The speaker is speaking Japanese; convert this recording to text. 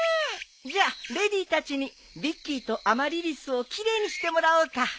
じゃあレディーたちにビッキーとアマリリスを奇麗にしてもらおうか。